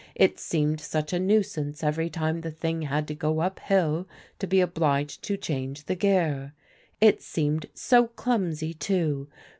It seemed such a nuisance every time the thing had to go up hill to be obliged to change the gear. It seemed so clumsy, too.